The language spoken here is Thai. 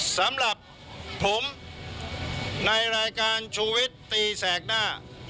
สำหรับผมในรายการชูวิตตีแสกหน้า